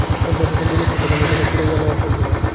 একবার যখন বলিয়াছি, তখন ঐ কথা ফিরাইয়া লওয়া চলিবে না।